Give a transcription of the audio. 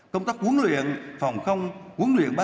công tác quân luyện phòng không quân luyện bay